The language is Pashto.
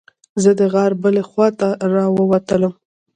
زه د غار بلې خوا ته راووتلم.